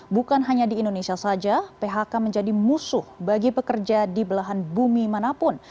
bukan hanya di indonesia saja phk menjadi musuh bagi pekerja di belahan bumi manapun